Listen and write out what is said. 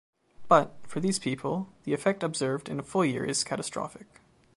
But, for these people, the effect observed in a full year is catastrophic.